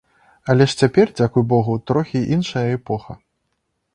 Але ж цяпер, дзякуй богу, трохі іншая эпоха.